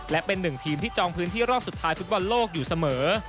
และเป็นหนึ่งทีมที่จองพื้นที่รอบสุดท้ายฟุตบอลโลกอยู่เสมอ